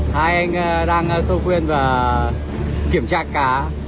hai anh đang sâu khuyên và kiểm tra cá